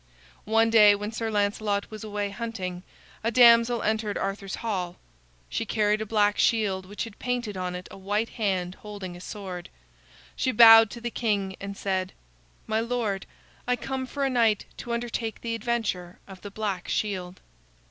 One day, when Sir Lancelot was away hunting, a damsel entered Arthur's hall. She carried a black shield which had painted on it a white hand holding a sword. She bowed to the king and said: "My lord, I come for a knight to undertake the adventure of the black shield."